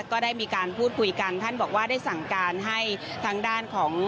ก็ได้มีการพูดคุยกันท่านบอกว่าได้สั่งการให้ทางด้านของ